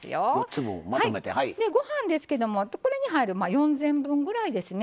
ご飯ですけどもこれに入る４膳分くらいですね。